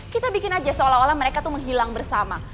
kita bikin aja seolah olah mereka tuh menghilang bersama